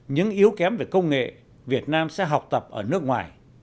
những yếu kém về công nghệ việt nam sẽ học tập ở nước ngoài